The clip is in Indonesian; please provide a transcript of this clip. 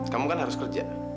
kamu kan harus kerja